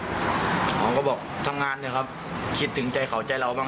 เขาก็บอกทั้งงานคิดถึงใจเขาใจเราบ้าง